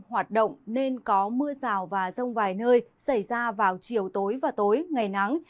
hoạt động nên có mưa rào và rông vài nơi xảy ra vào chiều tối và tối ngày nắng